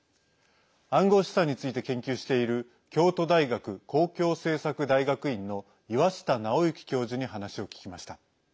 暗号資産について研究している京都大学公共政策大学院の岩下直行教授に話を聞きました。